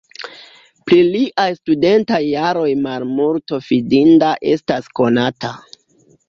Pri liaj studentaj jaroj malmulto fidinda estas konata.